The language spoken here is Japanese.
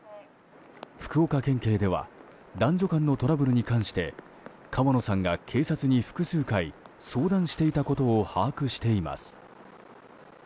福岡県警では男女間のトラブルに関して川野さんが警察に複数回相談していたことを把握しています。